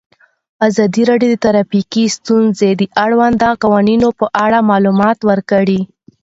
ازادي راډیو د ټرافیکي ستونزې د اړونده قوانینو په اړه معلومات ورکړي.